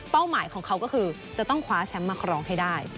หมายของเขาก็คือจะต้องคว้าแชมป์มาครองให้ได้